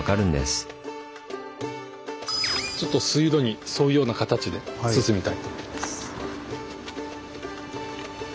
ちょっと水路に沿うような形で進みたいと思います。